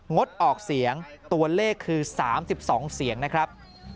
งดออกเสียงตัวเลขคือ๓๒เสียงนะครับ